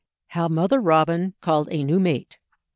HOW MOTHER ROBIN CALLED A NEW MATE.